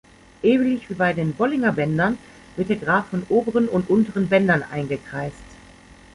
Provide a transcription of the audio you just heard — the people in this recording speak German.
Ähnlich wie bei den Bollinger-Bändern wird der Graph von oberen und unteren „Bändern“ eingekreist.